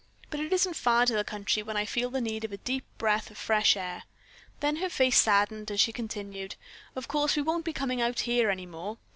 "But it isn't far to the country when I feel the need of a deep breath of fresh air." Then her face saddened as she continued: "Of course we won't be coming out here any more."